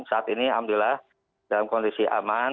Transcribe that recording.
saat ini alhamdulillah dalam kondisi aman